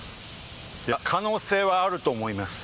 いや可能性はあると思います。